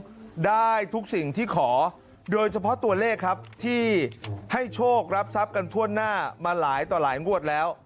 ได้ทุกสิ่งที่ขอโดยเฉพาะตัวเลขครับที่ให้โชครับทรัพย์กันทั่วหน้ามาหลายต่อหลายงวดแล้ว